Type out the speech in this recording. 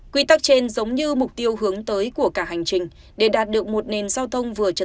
quy tắc trên giống như mục tiêu hướng tới của cả hành trình